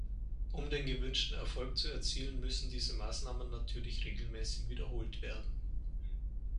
Um den gewünschten Erfolg zu erzielen, müssen diese Maßnahmen natürlich regelmäßig wiederholt werden.